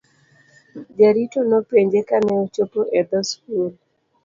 Jarito nopenje kane ochopo e dhoo skul.